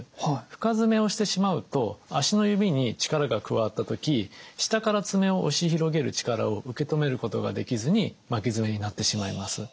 深爪をしてしまうと足の指に力が加わった時下から爪を押し広げる力を受け止めることができずに巻き爪になってしまいます。